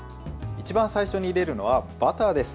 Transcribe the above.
一番最初に入れるのはバターです。